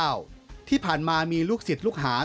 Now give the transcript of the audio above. และพระพุทธเจ้าที่ผ่านมามีลูกศิษย์ลูกหา